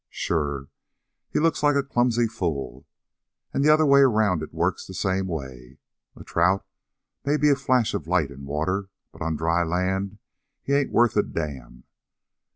Sure! He looks like a clumsy fool. And the other way around it works the same way. A trout may be a flash of light in water, but on dry land he ain't worth a damn.